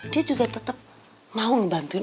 dia juga tetap mau ngebantuin